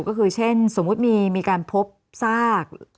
ก็คือเช่นสมมุติมีการพบซาก